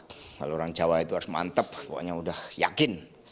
kalau orang jawa itu harus mantep pokoknya udah yakin